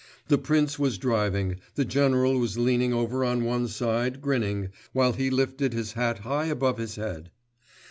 The prince was driving, the general was leaning over on one side, grinning, while he lifted his hat high above his head.